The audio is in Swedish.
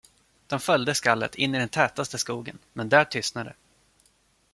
De följde skallet in i den tätaste skogen, men där tystnade det.